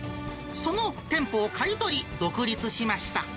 その店舗を買い取り、独立しました。